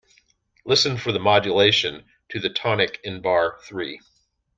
Listen for the modulation to the tonic in bar three.